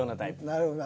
なるほどな。